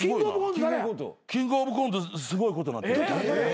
キングオブコントすごいことなってる。